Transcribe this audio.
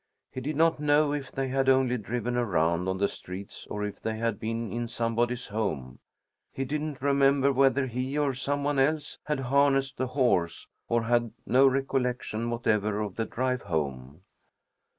He did not know if they had only driven around on the streets or if they had been in somebody's home. He didn't remember whether he or some one else had harnessed the horse and had no recollection whatever of the drive home.